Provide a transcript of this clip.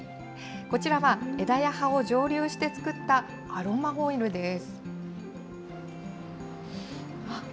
こちらは、枝や葉を蒸留してつくったアロマオイルです。